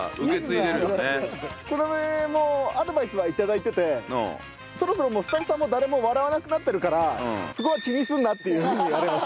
これもアドバイスはいただいててそろそろもうスタッフさんも誰も笑わなくなってるからそこは気にすんなっていう風に言われました。